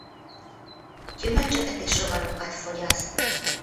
Gyümölcsöket és rovarokat fogyaszt.